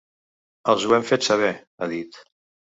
Els ho hem fet saber, ha dit.